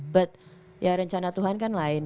but ya rencana tuhan kan lain